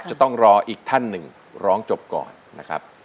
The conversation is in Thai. จะต้องรออีกท่านหนึ่งร้องจบก่อนนะครับ